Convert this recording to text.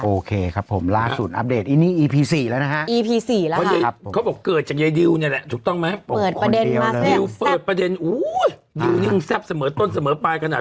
โอเคครับผมล่าสุดอัปเดตอีนี่อีพี๔แล้วนะฮะ